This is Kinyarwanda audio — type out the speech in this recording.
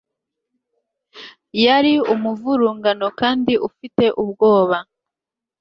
Yari umuvurungano kandi ufite ubwoba